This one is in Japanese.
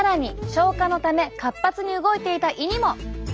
消化のため活発に動いていた胃にも。